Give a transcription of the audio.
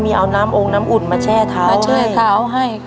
มีเอาน้ำองค์น้ำอุ่นมาแช่เท้าให้